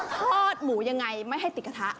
ทอดหมูยังไงไม่ให้ติดกระทะ